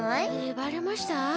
バレました？